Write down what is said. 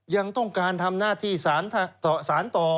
ยังต้องการทำหน้าที่สารต่อ